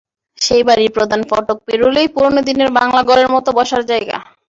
সেই বাড়ির প্রধান ফটক পেরোলেই পুরোনো দিনের বাংলা ঘরের মতো বসার জায়গা।